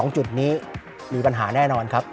จุดนี้มีปัญหาแน่นอนครับ